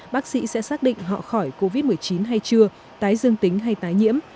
bác sĩ sẽ xác định họ khỏi covid một mươi chín hay chưa tái dương tính hay tái nhiễm